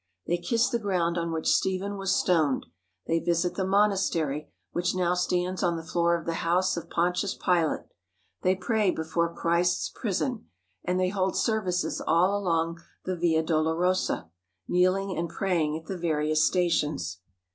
They kiss the ground on which Stephen was stoned; they visit the monastery which now stands on the floor of the house of Pontius Pilate; they pray before Christ's prison, and they hold services all along the Via Dolorosa, kneel ing and praying at the various stations.